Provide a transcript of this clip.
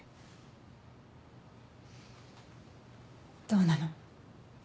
どうなの？